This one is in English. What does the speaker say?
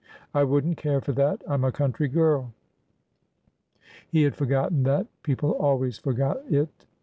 I would n't care for that. I 'm a country girl." He had forgotten that. People always forgot it.